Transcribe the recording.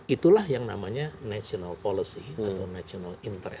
itulah yang namanya national policy atau national interest